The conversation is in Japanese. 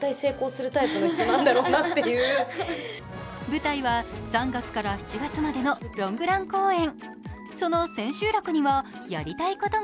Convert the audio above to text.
舞台は３月から７月までのロングラン公演。